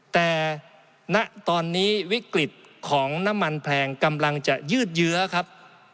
แต่ณตอนนี้วิกฤตของน้ำมันแพงกำลังจะยืดเยื้อครับ